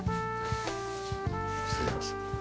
失礼します。